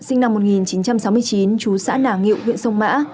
sinh năm một nghìn chín trăm sáu mươi chín trú xã nả nghiệu huyện sông mã